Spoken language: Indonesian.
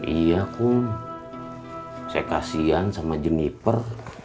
iya pum saya kasihan sama jeniper